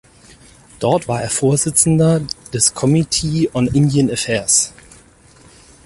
Dort war er Vorsitzender des "Committee on Indian Affairs".